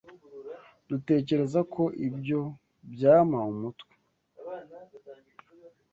Dutekereza ko ibyo byampa umutwe.